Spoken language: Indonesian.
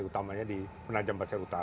utamanya di penajam pasir utara